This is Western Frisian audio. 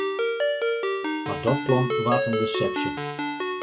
Mar dat plan waard ek in desepsje.